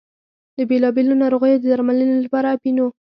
د بېلا بېلو ناروغیو د درملنې لپاره اپینو.